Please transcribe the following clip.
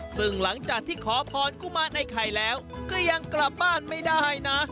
ซึ่งหลังจากที่ขอพรกุมารไอ้ไข่แล้วก็ยังกลับบ้านไม่ได้นะ